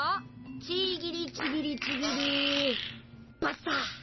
ちぎりちぎりちぎりバッサ！